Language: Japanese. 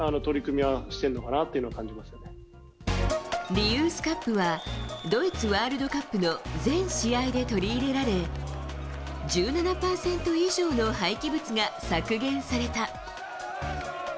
リユースカップはドイツワールドカップの全試合で取り入れられ１７％以上の廃棄物が削減された。